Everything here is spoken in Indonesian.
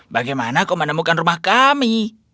bagaimana kau menemukan rumah kami